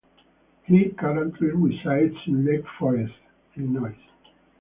He currently resides in Lake Forest, Illinois.